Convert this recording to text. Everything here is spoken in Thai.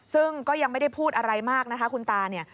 ซึ่งก็ยังไม่ได้พูดอะไรมากนะคะคุณตาเนี่ย